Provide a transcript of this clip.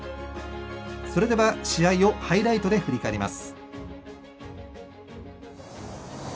それでは、試合をハイライトで振り返ります。